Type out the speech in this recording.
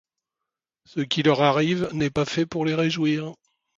Ce qui leur arrive n'est pas fait pour les réjouir.